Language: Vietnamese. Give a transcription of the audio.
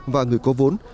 và người có vốn